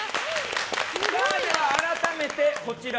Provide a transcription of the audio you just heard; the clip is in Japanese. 改めて、こちら。